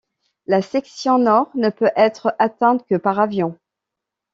La section nord ne peut être atteinte que par avion.